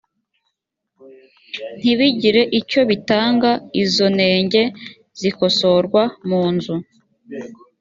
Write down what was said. ntibigire icyo bitanga izo nenge zikosorwa munzu